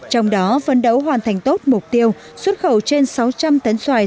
trong đó phấn đấu hoàn thành tốt mục tiêu xuất khẩu trên sáu trăm linh tấn xoài